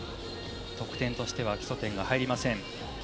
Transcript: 得点としては基礎点が入りません。